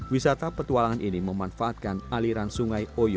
wisata petualangan ini memanfaatkan aliran sungai oyo